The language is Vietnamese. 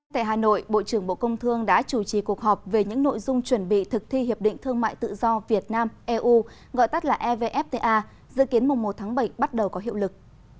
tại hà nội bộ trưởng bộ công thương đã chủ trì cuộc họp về những nội dung chuẩn bị thực thi hiệp định thương mại tự do việt nam eu gọi tắt là evfta dự kiến mùng một tháng bảy bắt đầu có hiệu lực